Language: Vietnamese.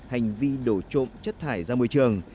hành vi đổ trộm chất thải ra môi trường